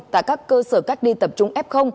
tại các cơ sở cách đi tập trung f